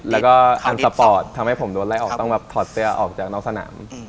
แล้วก็อันสปอร์ตทำให้ผมโดนไล่ออกต้องแบบถอดเสื้อออกจากนอกสนาม